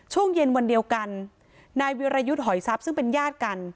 ช่วงเย็นวันเดียวกันนายวิรยุทธ์หอยทรัพย์ซึ่งเป็นญาติกัน